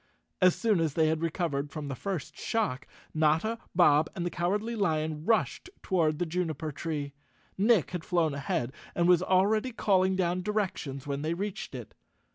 As soon as they had recovered from the first shock, Notta, Bob and the Cowardly Lion rushed toward the juniper tree. Nick had flown ahead and was already calling down directions when they reached it.